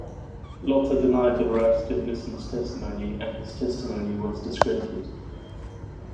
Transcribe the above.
Lotter denied the veracity of Nissen's testimony, and his testimony was discredited.